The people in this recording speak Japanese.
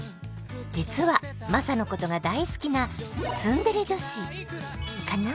実はマサのことが大好きなツンデレ女子カナ？